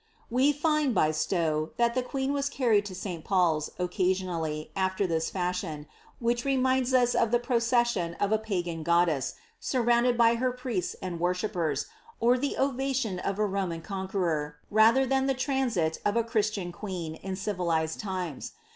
We Rad, by Stovre, that the queen was carried to St. Pati aionally, after lliis fashioni which reminda ua of the procesi pBgan goddess, surrounded by her priests and worshippers, or tion of a Roman conqueror, rather than the transit of a Christi in civilized limes.